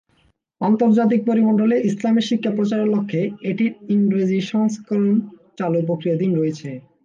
আন্তর্জাতিক পরিমণ্ডলে ইসলামের শিক্ষা প্রচারের লক্ষ্যে এটির ইংরেজির সংস্করণ চালু প্রক্রিয়াধীন রয়েছে।